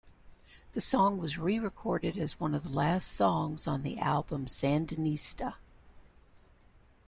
The song was re-recorded as one of the last songs on the album Sandinista!